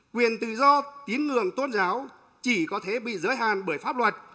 quyền tự do tín ngưỡng tôn giáo chỉ có thể bị giới hạn bởi pháp luật